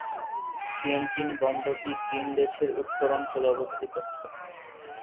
থিয়েনচিন বন্দরটি চীন দেশের উত্তর অঞ্চলে অবস্থিত।